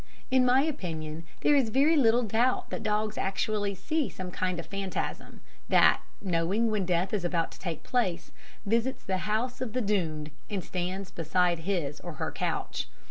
In my opinion there is very little doubt that dogs actually see some kind of phantasm that, knowing when death is about to take place, visits the house of the doomed and stands beside his, or her, couch.